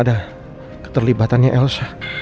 dan keterlibatannya elsa